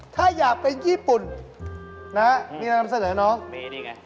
ถ้าอยากเป็นญี่ปุ่นนะมีอะไรนำเสนอน้องมีนี่ไง